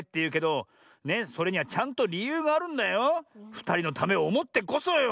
ふたりのためをおもってこそよ。